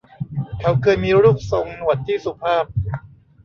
เขาเคยมีรูปทรงหนวดที่สุภาพ